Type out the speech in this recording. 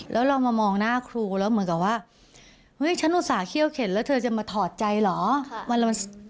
แล้วเรามามองหน้าครูแล้วเหมือนกับว่าเฮ้ยฉันอุตส่าห้วเข็นแล้วเธอจะมาถอดใจเหรอ